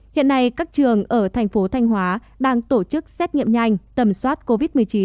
hiện nay các trường ở thành phố thanh hóa đang tổ chức xét nghiệm nhanh tầm soát covid một mươi chín